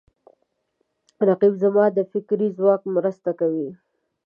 رقیب زما د فکري ځواک مرسته کوي